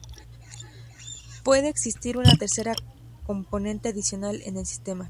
Puede existir una tercera componente adicional en el sistema.